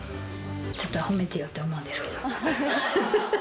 ちょっとは褒めてよって思うんですけど。